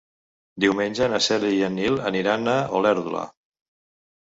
Diumenge na Cèlia i en Nil aniran a Olèrdola.